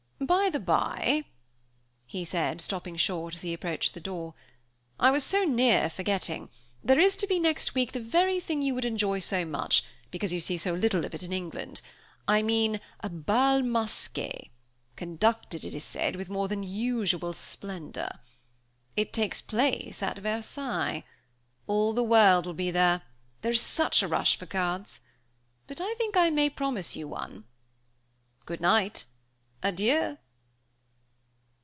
By the by," he said, stopping short as he approached the door, "I was so near forgetting. There is to be next week, the very thing you would enjoy so much, because you see so little of it in England I mean a bal masqué, conducted, it is said, with more than usual splendor. It takes place at Versailles all the world will be there; there is such a rush for cards! But I think I may promise you one. Good night! Adieu!"